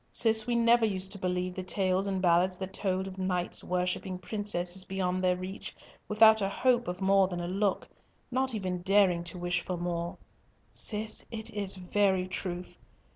Cis, we never used to believe the tales and ballads that told of knights worshipping princesses beyond their reach, without a hope of more than a look—not even daring to wish for more; Cis, it is very truth.